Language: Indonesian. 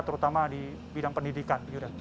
terutama di bidang pendidikan